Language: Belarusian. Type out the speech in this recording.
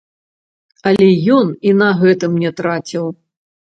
Але ён і на гэтым не траціў.